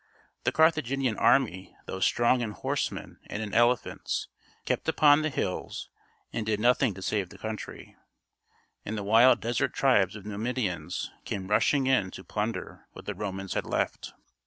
The Carthaginian army, though strong in horsemen and in elephants, kept upon the hills and did nothing to save the country, and the wild desert tribes of Numidians came rushing in to plunder what the Romans had left.